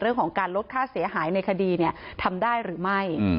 เรื่องของการลดค่าเสียหายในคดีทำได้หรือไม่